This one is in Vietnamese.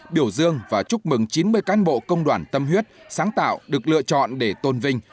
biểu dương và chúc mừng chín mươi cán bộ công đoàn tâm huyết sáng tạo được lựa chọn để tôn vinh